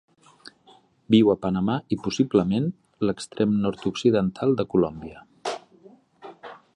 Viu a Panamà i, possiblement, l'extrem nord-occidental de Colòmbia.